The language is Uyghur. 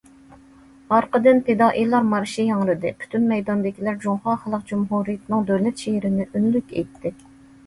ئارقىدىن،« پىدائىيلار مارشى» ياڭرىدى، پۈتۈن مەيداندىكىلەر جۇڭخۇا خەلق جۇمھۇرىيىتىنىڭ دۆلەت شېئىرىنى ئۈنلۈك ئېيتتى.